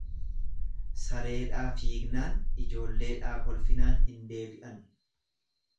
Sareedhaa fiignaan ijoolleedhaa kolfinaan hin deebi'an.